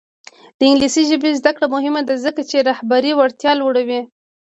د انګلیسي ژبې زده کړه مهمه ده ځکه چې رهبري وړتیا لوړوي.